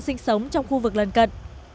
sinh sống trong khu vực lần cận